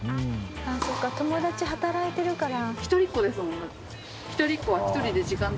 あっそっか友達働いてるから。